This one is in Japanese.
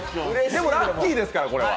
でも、ラッキーですから、これは。